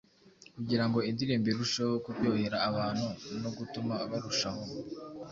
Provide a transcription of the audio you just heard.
kugira ngo indirimbo irusheho kuryohera abantu no gutuma barushaho